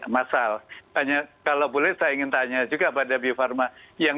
masal banyak kalau boleh saya ingin berbicara tentang hal ini ya pak bambang ya ini memang